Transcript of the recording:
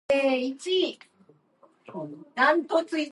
Many translators prefer to leave the term untranslated.